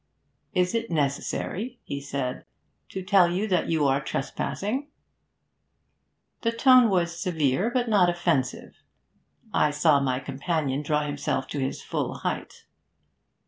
'Is it necessary,' he said, 'to tell you that you are trespassing?' The tone was severe, but not offensive. I saw my companion draw himself to his full height.